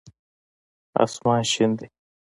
آسمان شين دی.